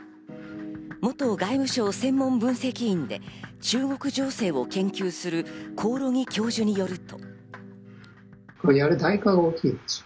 元外務省専門分析員で中国情勢を研究する興梠教授によると。